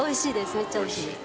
めっちゃおいしい。